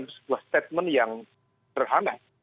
statement yang terhane